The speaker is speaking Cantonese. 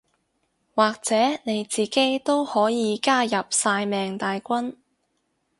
或者你自己都可以加入曬命大軍